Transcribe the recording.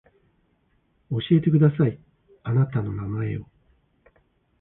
教えてくださいあなたの名前を